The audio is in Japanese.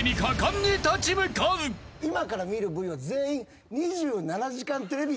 今から見るＶは全員。